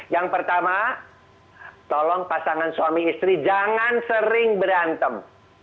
yang pertama tolong pasangan suami istri jangan sering berantem